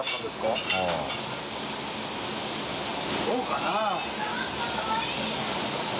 どうかな？